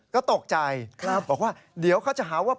ก็ตกใจบอกว่าเดี๋ยวเขาจะหาว่า